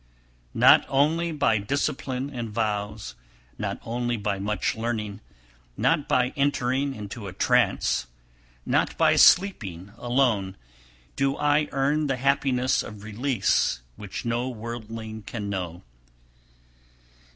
271, 272. Not only by discipline and vows, not only by much learning, not by entering into a trance, not by sleeping alone, do I earn the happiness of release which no worldling can know.